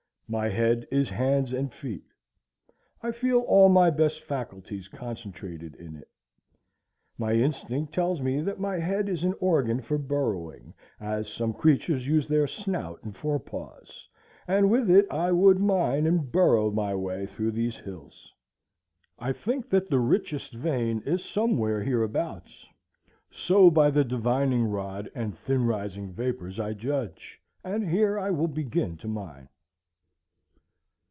My head is hands and feet. I feel all my best faculties concentrated in it. My instinct tells me that my head is an organ for burrowing, as some creatures use their snout and fore paws, and with it I would mine and burrow my way through these hills. I think that the richest vein is somewhere hereabouts; so by the divining rod and thin rising vapors I judge; and here I will begin to mine.